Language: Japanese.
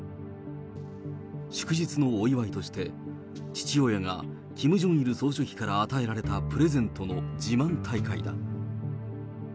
祝日のお祝いとして、父親がキム・ジョンイル総書記から与えられたプレゼントの自慢大会だ。